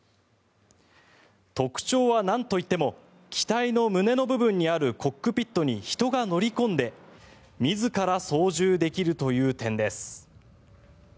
特徴は、なんといっても機体の胸の部分にあるコックピットに人が乗り込んで自ら操縦できるという点です。